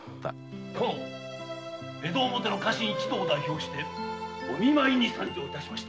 江戸表の家臣を代表しお見舞いに参上しました。